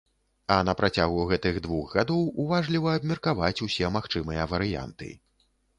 А на працягу гэтых двух гадоў уважліва абмеркаваць усе магчымыя варыянты.